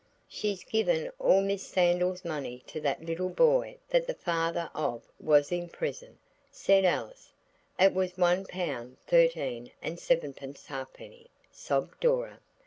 "She's given all Miss Sandal's money to that little boy that the father of was in prison," said Alice. "It was one pound thirteen and sevenpence halfpenny," sobbed Dora.